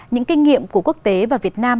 những kinh nghiệm của quốc tế và việt nam